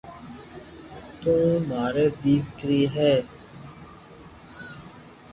تو ماري ديڪري ھي